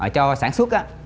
cho sản xuất á